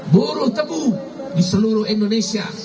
buruh tebu di seluruh indonesia